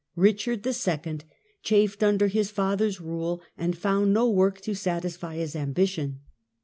Richard, the second, chafed under his fathers rule, and found no work to satisfy his ambition.